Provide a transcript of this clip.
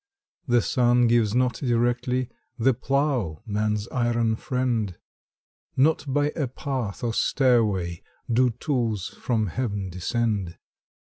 The sun gives not directly The plough, man's iron friend; Not by a path or stairway Do tools from Heaven descend.